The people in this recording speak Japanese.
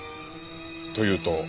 というと？